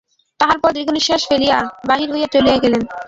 তাহার পর দীর্ঘনিশ্বাস ফেলিয়া বাহির হইয়া চলিয়া গেল।